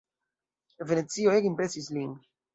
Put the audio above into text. Venecio ege impresis lin.